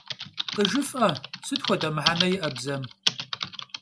Khıjjıf'e, sıt xuede mıhene yi'e bzem!